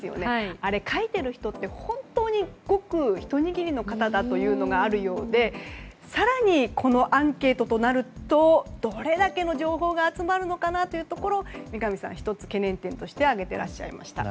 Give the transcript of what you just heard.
あれ、書いている人って本当にごく一握りの方だというのがあるようで更にこのアンケートとなるとどれだけの情報が集まるのかな？というところを三上さんは懸念点の１つとして挙げていらっしゃいました。